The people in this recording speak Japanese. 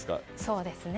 そうですね。